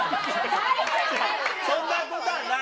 そんなことはない。